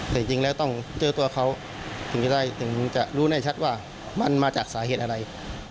แต่จริงแล้วต้องเจอตัวเขาถึงจะได้ถึงจะรู้แน่ชัดว่ามันมาจากสาเหตุอะไร